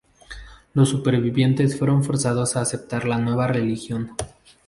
Los supervivientes fueron forzados a aceptar la nueva religión.